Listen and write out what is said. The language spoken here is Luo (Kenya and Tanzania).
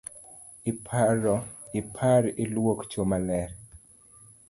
Ipar iluok cho maler.